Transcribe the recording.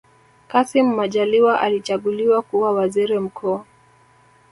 kassim majaliwa alichaguliwa kuwa waziri mkuu